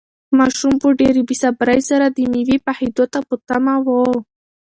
ماشوم په ډېرې بې صبري سره د مېوې پخېدو ته په تمه و.